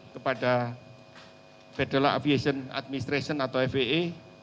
kepada federal aviation administration atau faa